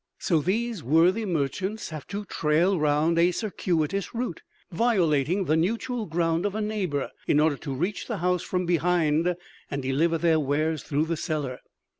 So these worthy merchants have to trail round a circuitous route, violating the neutral ground of a neighbor, in order to reach the house from behind and deliver their wares through the cellar.